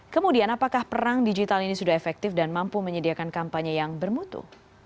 kemudian apakah perang digital ini sudah efektif dan mampu menyediakan kampanye yang bermutu